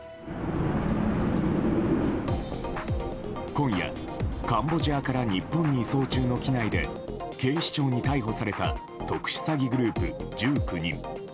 今夜、カンボジアから日本に移送中の機内で警視庁に逮捕された特殊詐欺グループ１９人。